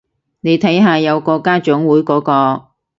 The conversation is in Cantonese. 你睇下有個家長會嗰個